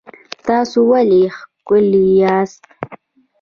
تاسو ولې ښکلي یاست؟